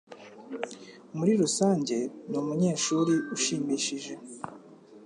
Muri rusange, ni umunyeshuri ushimishije.